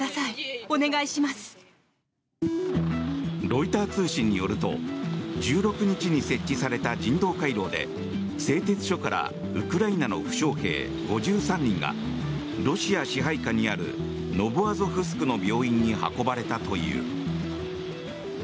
ロイター通信によると１６日に設置された人道回廊で製鉄所からウクライナの負傷兵５３人がロシア支配下にあるノボアゾフスクの病院に運ばれたという。